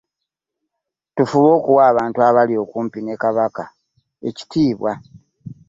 Tufube okuwa abantu abali okumpi ne Kabaka ekitiibwa.